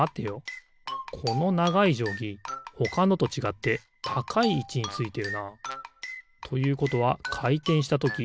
このながいじょうぎほかのとちがってたかいいちについてるな。ということはかいてんしたとき